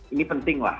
ini penting lah